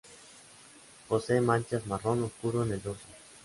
Posee manchas marrón oscuro en el dorso.